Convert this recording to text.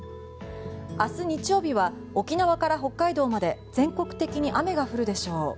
明日日曜日は沖縄から北海道まで全国的に雨が降るでしょう。